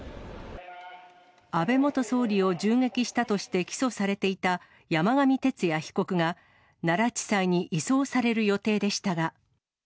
安倍元総理を銃撃したとして起訴されていた山上徹也被告が、奈良地裁に移送される予定でしたが。